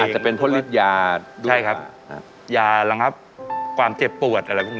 อาจจะเป็นพลิกยายาแล้วครับความเจ็บปวดอะไรพวกนี้